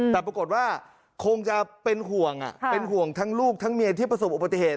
แต่ปรากฏว่าคงจะเป็นห่วงเป็นห่วงทั้งลูกทั้งเมียที่ประสบอุบัติเหตุ